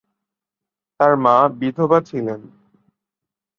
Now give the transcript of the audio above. তার মা বিধবা ছিলেন।